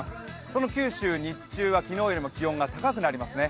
その九州、日中は昨日よりも気温が高くなりますね。